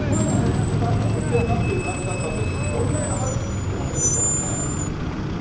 冷たい雨が降ってるなっていう感じだったんですが、こんなに激しく降ってませんでしたもんね。